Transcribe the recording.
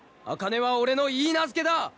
「あかねは俺のいいなずけだ。